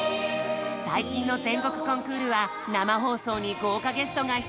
最近の全国コンクールは生放送に豪華ゲストが出演！